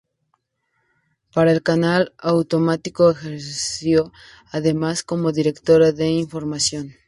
Para el canal autonómico ejerció, además, como directora de información.